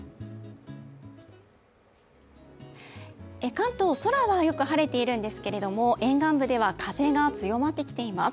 関東、空はよく晴れているんですが沿岸部では風が強まってきています。